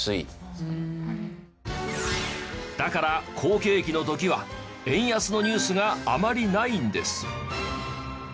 だから好景気の時は円安のニュースがあまりないんです。